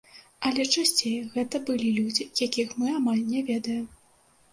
Але часцей гэта былі людзі, якіх мы амаль не ведаем.